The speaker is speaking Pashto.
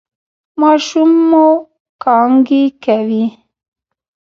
ماشوم مو کانګې کوي؟